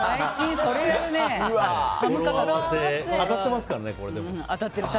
当たってますからね、これ。